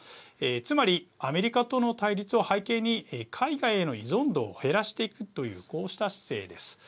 つまりアメリカとの対立を背景に海外への依存度を減らしていくというこうした姿勢です。